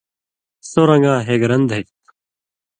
سو رن٘گاں ہیگرن دھریۡ تُھو۔“